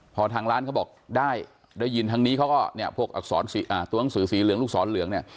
พอทางร้านเขาบอกได้ได้ยินทางนี้เขาก็เนี่ยพวกอักษรตัวหนังสือสีเหลืองลูกศรเหลืองเนี่ย